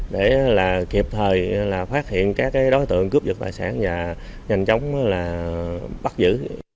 để kịp thời là phát hiện các đối tượng cướp dựt tài sản và nhanh chóng là bắt giữ